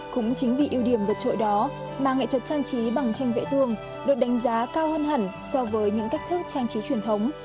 cũng chính vì ưu điểm vượt trội đó mà nghệ thuật trang trí bằng tranh vệ tương được đánh giá cao hơn hẳn so với những cách thức trang trí truyền thống